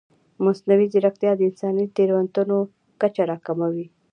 مصنوعي ځیرکتیا د انساني تېروتنو کچه راکموي.